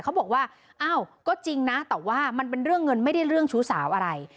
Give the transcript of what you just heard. เขาบอกว่าอ้าวก็จริงนะแต่ว่ามันเป็นเรื่องเงินไม่ได้เรื่องชู้สาวอะไร